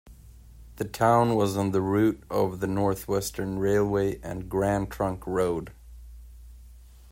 The town was on the route of the North-Western Railway and Grand Trunk Road.